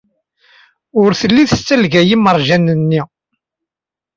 Ur telli tessalqay imerjan-nni.